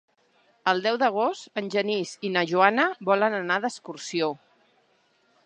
El deu d'agost en Genís i na Joana volen anar d'excursió.